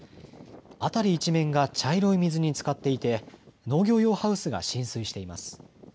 辺り一面が茶色い水につかっていて農業用ハウスが浸水しています。